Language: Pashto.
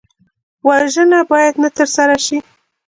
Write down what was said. وژنه باید نه ترسره شي